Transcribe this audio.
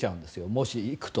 もし行くと。